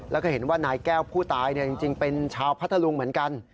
แล้วก็เห็นว่านายแก้วผู้ตายจริงเป็นชาวพัทธลุงเหมือนกัน